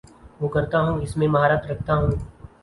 وہ کرتا ہوں اس میں مہارت رکھتا ہوں